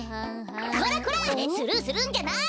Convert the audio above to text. こらこらスルーするんじゃない！